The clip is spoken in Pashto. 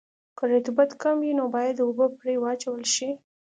که رطوبت کم وي نو باید اوبه پرې واچول شي